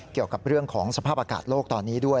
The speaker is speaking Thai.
เกี่ยวกับเรื่องของสภาพอากาศโลกตอนนี้ด้วย